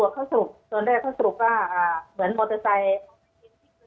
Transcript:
ก็บอกว่าเหมือนมอเตอร์ไซท์